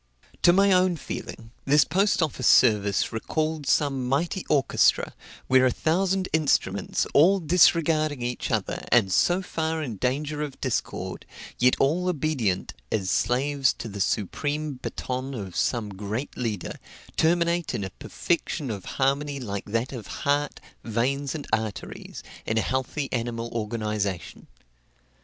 To my own feeling, this post office service recalled some mighty orchestra, where a thousand instruments, all disregarding each other, and so far in danger of discord, yet all obedient as slaves to the supreme baton of some great leader, terminate in a perfection of harmony like that of heart, veins, and arteries, in a healthy animal organization.